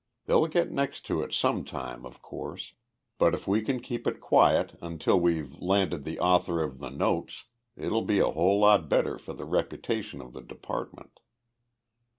They'll get next to it some time, of course, but if we can keep it quiet until we've landed the author of the notes it'll be a whole lot better for the reputation of the department.